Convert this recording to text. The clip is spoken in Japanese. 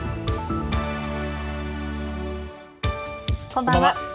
こんばんは。